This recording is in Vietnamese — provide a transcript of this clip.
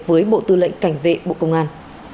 với bộ tư lệnh cảnh vệ bộ công an